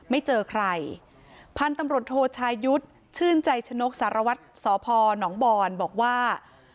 ไม่เจอใครพันธุ์ตำรวจโทชายุทธ์ชื่นใจชนกสารวัตรสพหนองบอนบอกว่า